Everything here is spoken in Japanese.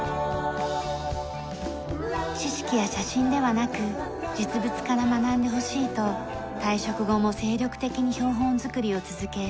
知識や写真ではなく実物から学んでほしいと退職後も精力的に標本づくりを続け